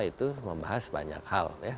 itu membahas banyak hal